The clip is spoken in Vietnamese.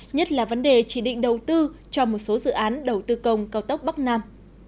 nhất là vấn đề chỉ định đầu tư cho một số dự án đầu tư công cao tốc bắc nam